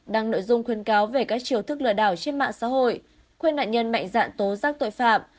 đăng nội dung khuyên cáo về các chiều thức lừa đảo trên mạng xã hội khuyên nạn nhân mạnh dạn tố giác tội phạm